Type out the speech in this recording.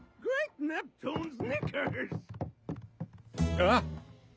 あっ！